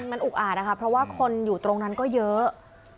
มันอุกอาจนะคะเพราะว่าคนอยู่ตรงนั้นก็เยอะ